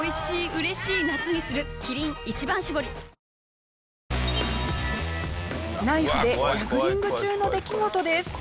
あナイフでジャグリング中の出来事です。